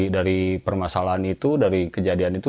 dari permasalahan itu dari kejadian itu